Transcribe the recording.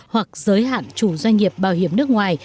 hoặc giới hạn chủ doanh nghiệp bảo hiểm nước ngoài